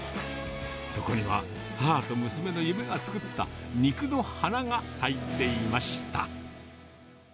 そこには母と娘の夢が作った、肉の花が咲いていました。